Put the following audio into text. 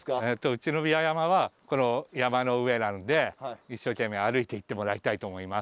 うちのびわ山はこの山の上なので一生懸命歩いていってもらいたいと思います。